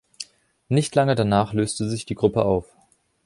Nicht lange danach löste sich die Gruppe auf.